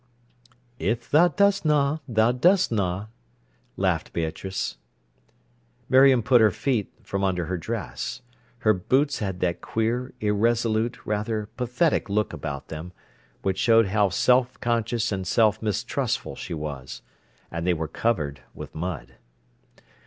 "If tha doesna tha durs'na," laughed Beatrice. Miriam put her feet from under her dress. Her boots had that queer, irresolute, rather pathetic look about them, which showed how self conscious and self mistrustful she was. And they were covered with mud.